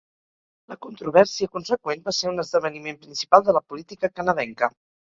La controvèrsia conseqüent va ser un esdeveniment principal de la política canadenca.